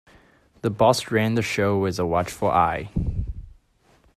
The boss ran the show with a watchful eye.